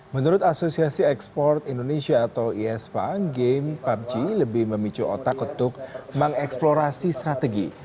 menurut asosiasi ekspor indonesia atau ispa game pubg lebih memicu otak untuk mengeksplorasi strategi